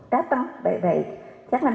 datang baik baik jangan